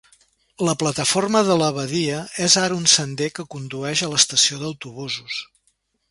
La plataforma de la badia és ara un sender que condueix a l'estació d'autobusos.